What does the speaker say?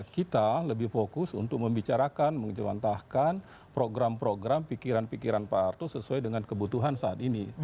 kita lebih fokus untuk membicarakan mengejewantahkan program program pikiran pikiran pak harto sesuai dengan kebutuhan saat ini